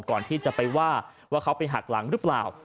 ก่อนที่จะไปว่าว่าเขาไปหักหลังหรือเปล่า